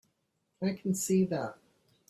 I can see that.